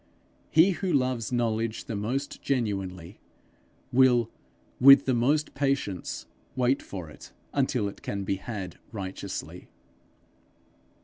He who loves knowledge the most genuinely, will with the most patience wait for it until it can be had righteously.